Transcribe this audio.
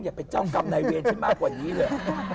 อย่าเป็นเจ้ากรรมในเรียนที่มากกว่านี้เลย